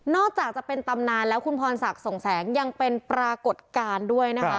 จากจะเป็นตำนานแล้วคุณพรศักดิ์ส่งแสงยังเป็นปรากฏการณ์ด้วยนะคะ